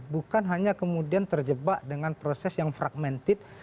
bukan hanya kemudian terjebak dengan proses yang fragmented